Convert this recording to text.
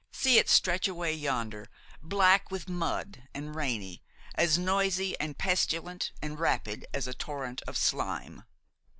see it stretch away yonder, black with mud and rainy, as noisy and pestilent and rapid as a torrent of slime!